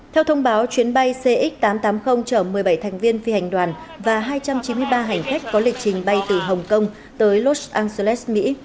theo thông báo chuyến bay cx tám trăm tám mươi chở một mươi bảy thành viên phi hành đoàn và hai trăm chín mươi ba hành khách có lịch trình bay từ hồng kông tới los angeles mỹ